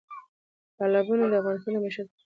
تالابونه د افغانانو د معیشت سرچینه ده.